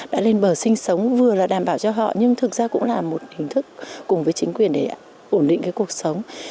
đã lên bờ sinh sống vừa là đảm bảo cho họ nhưng thực ra cũng là một hình thức cùng với chính quyền để ổn định cái cuộc sống